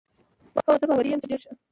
هو، زه باوري یم، ډېر ښه.